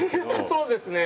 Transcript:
そうですね。